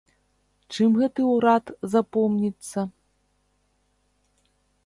Чым гэты ўрад запомніцца?